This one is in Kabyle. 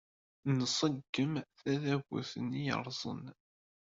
Nṣeggem tadabut-nni yerrẓen.